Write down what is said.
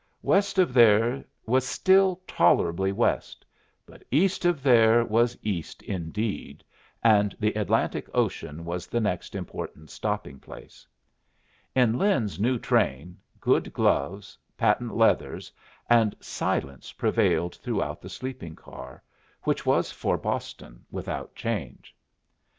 West of there was still tolerably west, but east of there was east indeed, and the Atlantic Ocean was the next important stopping place. In Lin's new train, good gloves, patent leathers, and silence prevailed throughout the sleeping car, which was for Boston without change.